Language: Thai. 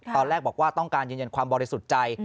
ตอนแรกบอกว่าต้องการยืนยันความบริสุทธิ์ใจ